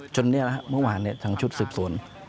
จนเนี่ยเมื่อวานทั้งชุดสิบส่วน